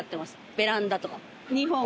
ベランダとか。